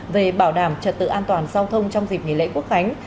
về bảo đảm trật tự an toàn giao thông trong dịp nghỉ lễ quốc khánh